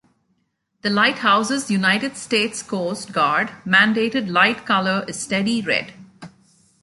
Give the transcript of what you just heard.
The lighthouse's United States Coast Guard-mandated light color is steady red.